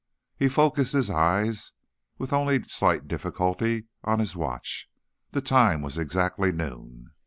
He focused his eyes, with only slight difficulty, on his watch. The time was exactly noon.